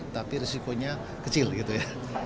tapi risikonya kecil gitu ya